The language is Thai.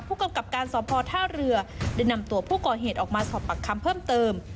ผู้กำกับการสอบพอท่าเรือได้นำตัวผู้ก่อเหตุออกมาสอบปากคำเพิ่มเติม